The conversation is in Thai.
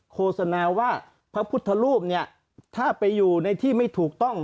โฆษณาว่าพระพุทธรูปเนี่ยถ้าไปอยู่ในที่ไม่ถูกต้อง